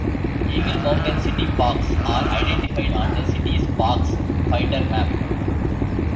Eagle Mountain City parks are identified on the city's Parks Finder Map.